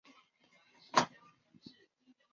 黄宗羲是他的老师。